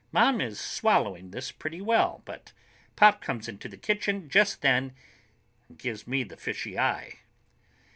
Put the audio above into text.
Mom is swallowing this pretty well, but Pop comes into the kitchen just then and gives me the fishy eye.